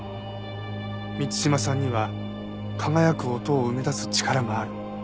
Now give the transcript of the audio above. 満島さんには輝く音を生み出す力がある。